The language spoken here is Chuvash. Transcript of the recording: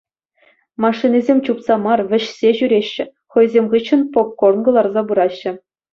Машинисем чупса мар, вӗҫсе ҫӳреҫҫӗ, хӑйсем хыҫҫӑн попкорн кӑларса пыраҫҫӗ.